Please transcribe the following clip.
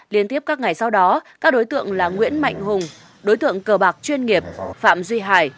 liên tiếp các ngày sau đó các đối tượng là nguyễn mạnh hùng đối tượng cờ bạc chuyên nghiệp phạm duy hải